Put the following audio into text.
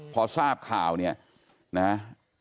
พอทราบข่าวเนี่ยนะฮะ